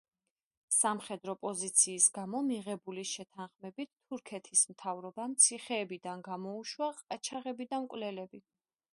სამხედრო პოზიციის გამო მიღებული შეთანხმებით თურქეთის მთავრობამ ციხეებიდან გამოუშვა ყაჩაღები და მკვლელები.